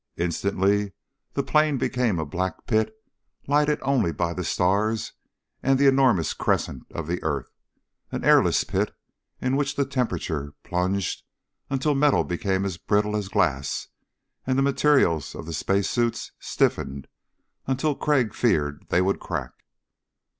Instantly the plain became a black pit lighted only by the stars and the enormous crescent of the earth an airless pit in which the temperature plunged until metal became as brittle as glass and the materials of the space suits stiffened until Crag feared they would crack.